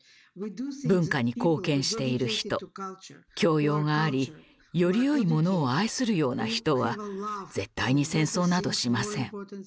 文化に貢献している人教養がありよりよいものを愛するような人は絶対に戦争などしません。